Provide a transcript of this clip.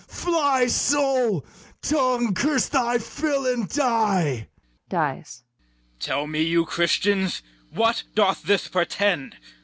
fly, soul! tongue, curse thy fill, and die! [Dies.] CALYMATH. Tell me, you Christians, what doth this portend?